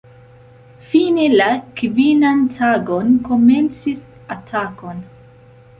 Fine la kvinan tagon komencis atakon.